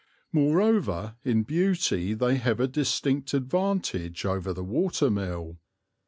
Moreover, in beauty they have a distinct advantage over the watermill.